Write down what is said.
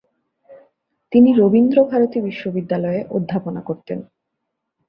তিনি রবীন্দ্রভারতী বিশ্ববিদ্যালয়ে অধ্যাপনা করতেন।